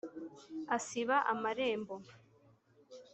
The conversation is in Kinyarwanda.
asiba amarembo